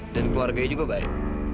dan keluarganya juga baik